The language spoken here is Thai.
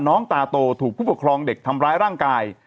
น้องตาโตถูกผู้ปกครองเด็กทำร้ายร่างกาย